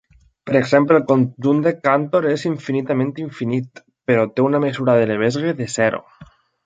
Per exemple, el conjunt de Cantor és infinitament infinit, però té una mesura de Lebesgue de zero.